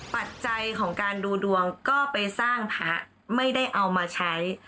ปัจจัยของการดูดวงก็ไปสร้างพระไม่ได้เอามาใช้